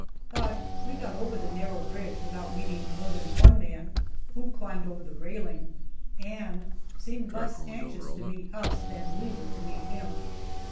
But we got over the narrow bridge without meeting more than one man, who climbed over the railing and seemed less anxious to meet us than we were to meet him.